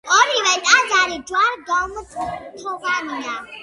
ორივე ტაძარი ჯვარ-გუმბათოვანია.